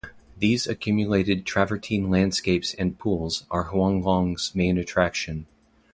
These accumulated travertine landscapes and pools are Huanglong's main attraction.